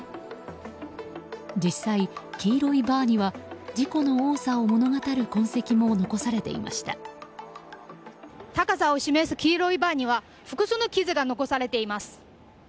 実際、黄色いバーには事故の多さを物語る痕跡も高さを示す黄色いバーには複数の傷が残されています。